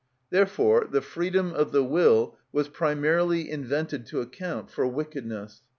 Therefore the freedom of the will was primarily invented to account for wickedness.